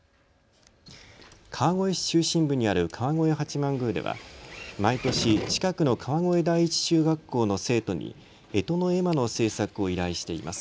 川越市中心部にある川越八幡宮では毎年、近くの川越第一中学校の生徒にえとの絵馬の制作を依頼しています。